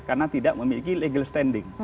karena tidak memiliki legal standing